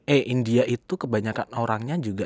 eh india itu kebanyakan orangnya juga